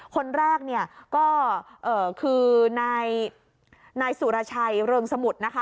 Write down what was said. คนแรกเนี่ยก็คือนายสุรชัยเริงสมุทรนะคะ